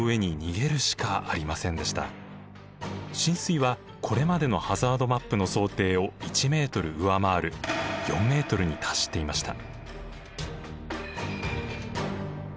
浸水はこれまでのハザードマップの想定を１ｍ上回る４ｍに達していました。